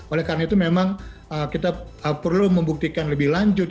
oleh karena itu memang kita perlu membuktikan lebih lanjut